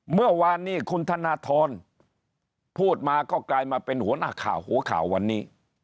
เมื่อวานนี้คุณธนทรพูดมาก็กลายมาเป็นหัวหน้าข่าวหัวข่าววันนี้